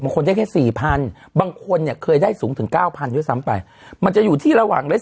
คนได้แค่สี่พันบางคนเนี่ยเคยได้สูงถึงเก้าพันด้วยซ้ำไปมันจะอยู่ที่ระหว่างเล็ก